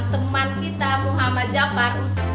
teman kita muhammad jafar